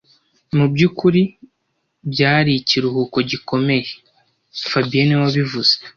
Mu byukuri byari ikiruhuko gikomeye fabien niwe wabivuze